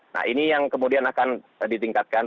nah ini yang kemudian akan ditingkatkan